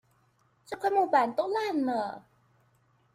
這塊木板都爛了